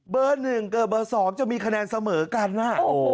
เบอร์๑เกือบเบอร์๒จะมีคะแนนเสมอกันน่ะ